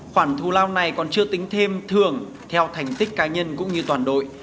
khoản thù lao này còn chưa tính thêm thường theo thành tích cá nhân cũng như toàn đội